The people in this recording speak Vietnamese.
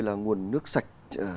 là nguồn nước sạch